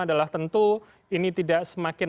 adalah tentu ini tidak semakin